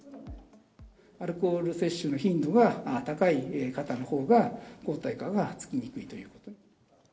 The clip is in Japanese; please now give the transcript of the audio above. アルコール摂取の頻度が高いかたのほうが、抗体価がつきにくいということに。